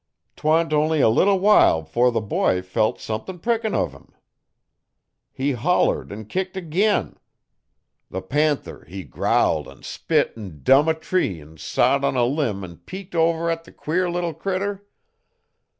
'Twant only a little while 'fore the boy felt somethin' prickin' uv him. He hollered 'n kicked ag'in. The panther he growled 'n spit 'n dumb a tree 'n sot on a limb 'n peeked over at thet queer little critter.